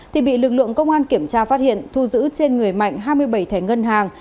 thì bị lực lượng công an kiểm tra phát hiện thu giữ trên người mạnh hai mươi bảy thẻ ngân hàng